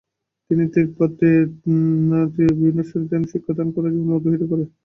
তিনি তিব্বতের বিভিন্ন স্থানে ধ্যান ও শিক্ষাদান করে অজীবন অতিবাহিত করেন।